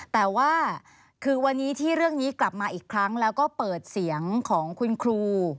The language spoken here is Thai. แต่ว่าคือวันนี้ที่เรื่องนี้กลับมาอีกครั้งแล้วก็เปิดเสียงของคุณครู